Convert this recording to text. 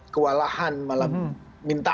kewalahan malah minta